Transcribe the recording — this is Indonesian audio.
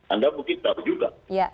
anda mungkin tahu juga